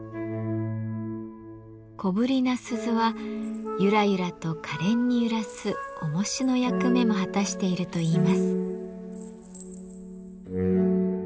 小ぶりな鈴はゆらゆらとかれんに揺らすおもしの役目も果たしているといいます。